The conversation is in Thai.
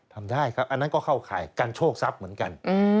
ทำได้ครับอันนั้นก็เข้าข่ายการโชคทรัพย์เหมือนกัน